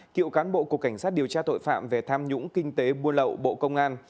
cựu cán bộ cục cảnh sát điều tra tội phạm về tham nhũng kinh tế buôn lậu bộ công an